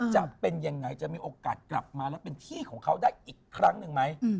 จะเป็นยังไงจะมีโอกาสกลับมาแล้วเป็นที่ของเขาได้อีกครั้งหนึ่งไหม